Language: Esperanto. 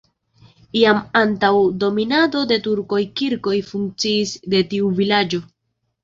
Jam antaŭ dominado de turkoj kirko funkciis en tiu vilaĝo.